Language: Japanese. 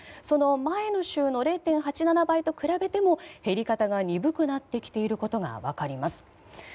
その前の週の０．８７倍と比べても減り方が鈍くなっていることが分かります。